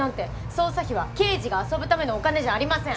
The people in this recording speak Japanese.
捜査費は刑事が遊ぶためのお金じゃありません。